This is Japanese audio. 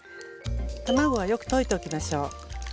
卵はよく溶いておきましょう。